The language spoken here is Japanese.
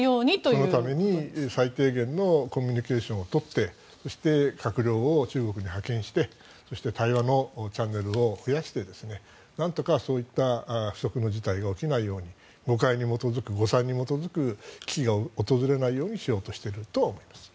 そのために最低限のコミュニケーションを取ってそして閣僚を中国に派遣してそして、対話のチャンネルを増やしてなんとかそういった不測の事態が起きないように誤解に基づく誤算に基づく危機が訪れないようにしているとは思います。